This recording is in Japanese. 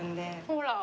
ほら。